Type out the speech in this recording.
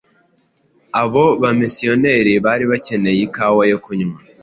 Abo ba misiyoneri bari bakeneye ikawa yo kunywa.